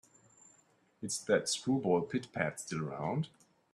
Is that screwball Pit-Pat still around?